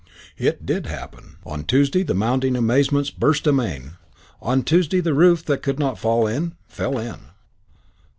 It did happen. On Tuesday the mounting amazements burst amain. On Tuesday the roof that could not fall in fell in.